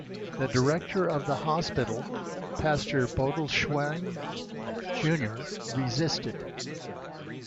The director of the hospital, pastor Bodelschwingh, Junior, resisted.